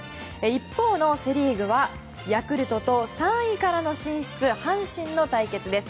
一方のセ・リーグは、ヤクルトと３位からの進出、阪神の対決です。